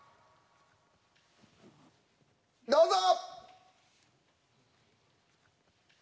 どうぞ！